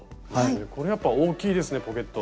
これやっぱ大きいですねポケット。